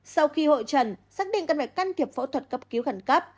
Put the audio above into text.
sau khi hội trần xác định cần phải can thiệp phẫu thuật cấp cứu khẩn cấp